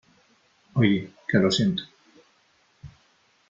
oye , que lo siento .